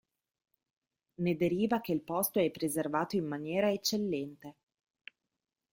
Ne deriva che il posto è preservato in maniera eccellente.